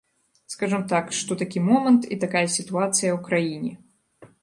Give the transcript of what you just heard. Скажам так, што такі момант і такая сітуацыя ў краіне.